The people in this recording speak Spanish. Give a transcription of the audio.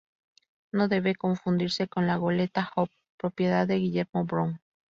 No debe confundirse con la goleta "Hope", propiedad de Guillermo Brown.